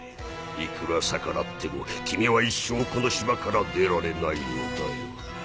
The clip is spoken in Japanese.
いくら逆らっても君は一生この島から出られないんだよ。